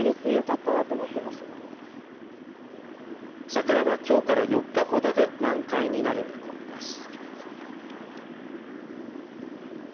サクラはきょうから４日ほどで満開になる見込みです。